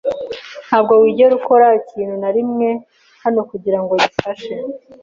Ntabwo wigera ukora ikintu na kimwe hano kugirango gifashe.